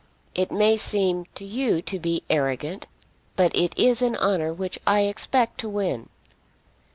It may seem to you to be arrogant, but it is an honour which I expect to win."